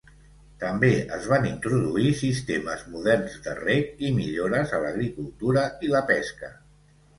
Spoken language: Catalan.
També es van introduir sistemes moderns de reg i millores a l'agricultura i la pesca.